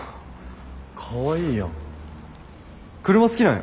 かわいいやん。